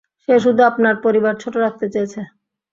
সে শুধু আপনার পরিবার ছোট রাখতে চেয়েছে।